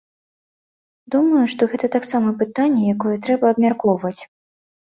Думаю, што гэта таксама пытанне, якое трэба абмяркоўваць.